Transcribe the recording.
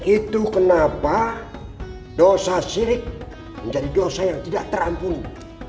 itu kenapa dosa syirik menjadi dosa yang tidak terampuni